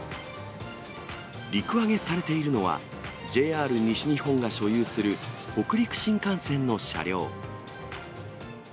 陸揚げされているのは、ＪＲ西日本が所有する北陸新幹線の車両。